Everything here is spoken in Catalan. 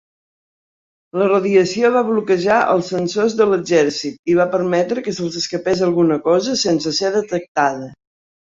La radiació va bloquejar els sensors de l'exèrcit i va permetre que se'ls escapés alguna cosa sense ser detectada.